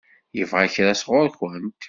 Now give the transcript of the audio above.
Yebɣa kra sɣur-kent?